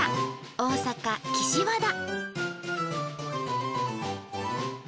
大阪岸和田。